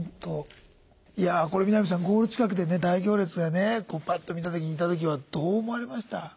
いやこれ南さんゴール近くで大行列がねパッと見た時にいた時はどう思われました？